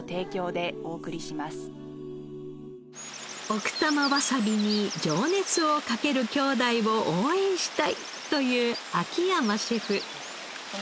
奥多摩わさびに情熱をかける兄弟を応援したいという秋山シェフ。